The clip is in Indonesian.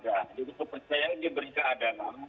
jadi kepercayaan yang diberikan adalah